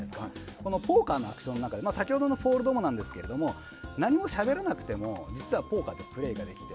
ポーカーのアクションは先ほどのフォールドもなんですが何もしゃべらなくても実はポーカーってプレーできて。